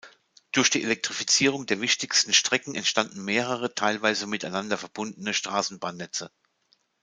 Durch die Elektrifizierung der wichtigsten Strecken entstanden mehrere, teilweise miteinander verbundene Straßenbahnnetze.